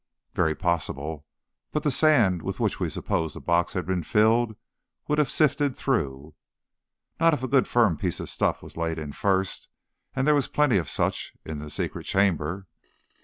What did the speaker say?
"Very possible, but the sand with which we supposed the box had been filled would have sifted through." "Not if a good firm piece of stuff was laid in first, and there were plenty of such in the secret chamber."